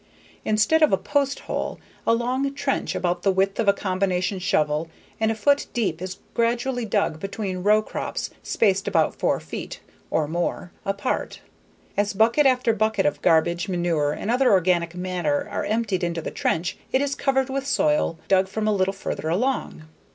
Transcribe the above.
Instead of a post hole, a long trench about the width of a combination shovel and a foot deep is gradually dug between row crops spaced about four feet (or more) apart. As bucket after bucket of garbage, manure, and other organic matter are emptied into the trench, it is covered with soil dug from a little further along.